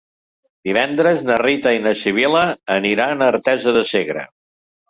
Divendres na Rita i na Sibil·la aniran a Artesa de Segre.